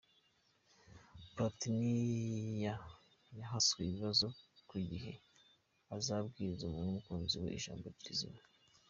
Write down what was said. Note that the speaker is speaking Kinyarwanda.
Platini yahaswe ibibazo ku gihe azabwirira aumukunzi we ijambo rizima.